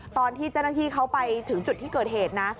ตอนที่เจ้าหน้าที่เขาไปถึงจุดที่เกิดเหตุนะ